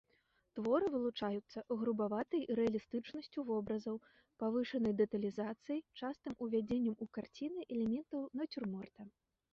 Творы вылучаюцца грубаватай рэалістычнасцю вобразаў, павышанай дэталізацыяй, частым увядзеннем у карціны элементаў нацюрморта.